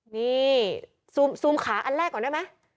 นี่ซูมขาอันแรกก่อนได้ไหม